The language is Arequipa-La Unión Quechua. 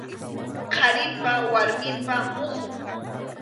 Qharipa warmipa muhun.